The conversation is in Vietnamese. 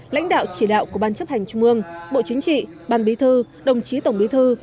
lãnh đạo chỉ đạo của ban chấp hành trung ương bộ chính trị ban bí thư đồng chí tổng bí thư